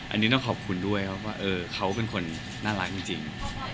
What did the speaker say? อันนี้ต้องขอบคุณด้วยครับว่าเขาเป็นคนน่ารักจริง